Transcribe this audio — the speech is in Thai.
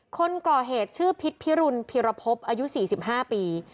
คนก่อเหตุชื่อพิษพิรุณพิรพบอายุ๔๕ปี